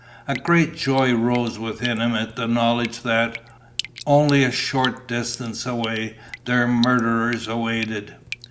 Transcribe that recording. A great joy rose within him at the knowledge that, only a short distance away, their murderers awaited.